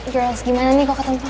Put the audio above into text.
girls gimana nih kok ketemu pangeran